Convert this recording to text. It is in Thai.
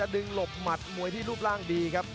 ดึงลบหมัดมวยที่รูปร่างดี